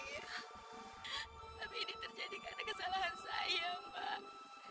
tapi ini terjadi karena kesalahan saya mbak